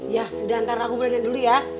ya sudah ntar aku belan belan dulu ya